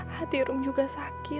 hati rom juga sakit